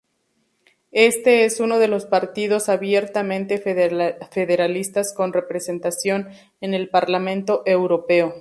Éste es uno de los partidos abiertamente federalistas con representación en el Parlamento Europeo.